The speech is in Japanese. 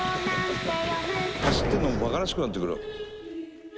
走ってるのもバカらしくなってくるわ。